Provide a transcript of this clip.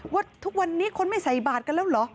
ว่าทุกวันนี้คนไม่ใส่บาทกันแล้วเหรอ